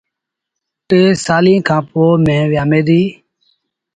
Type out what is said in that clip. ٽي سآليٚݩ کآݩ پو ميݩهن ويآمي ديٚ۔